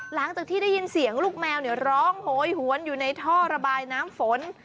หลังจากที่ได้ยินเสียงลูกแมวร้องโหยหวนอยู่ในท่อระบายน้ำฝน